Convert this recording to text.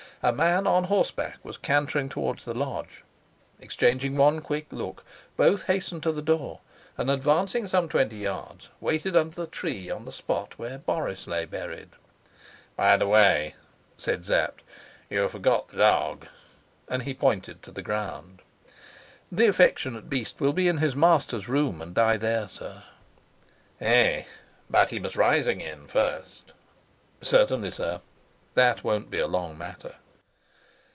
A man on horseback was cantering towards the lodge. Exchanging one quick look, both hastened to the door, and, advancing some twenty yards, waited under the tree on the spot where Boris lay buried. "By the way," said Sapt, "you forgot the dog." And he pointed to the ground. "The affectionate beast will be in his master's room and die there, sir." "Eh, but he must rise again first!" "Certainly, sir. That won't be a long matter."